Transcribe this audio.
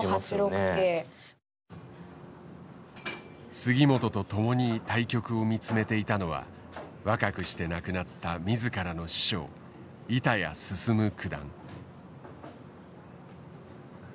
杉本と共に対局を見つめていたのは若くして亡くなった自らの師匠板谷進九段。